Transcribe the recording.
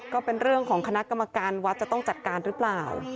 ก็เป็นเรื่องของคณะกรรมการวัดจะต้องจัดการหรือเปล่า